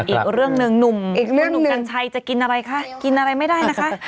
อีกเรื่องหนึ่งหนุ่มกัญชัยจะกินอะไรคะกินอะไรไม่ได้นะคะ